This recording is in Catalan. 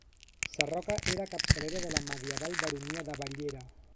Sarroca era capçalera de la medieval Baronia de Ballera.